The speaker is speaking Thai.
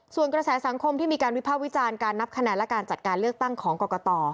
ส่วนกระแสสังคมที่มีการวิภาควิจารณ์การนับคะแนนและการจัดการเลือกตั้งของกรกต